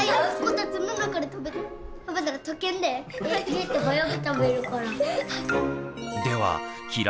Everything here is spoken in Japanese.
ゆうた早く食べるから。